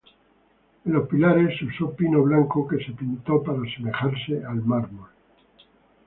En los pilares, se usó pino blanco que se pintó para asemejarse a mármol.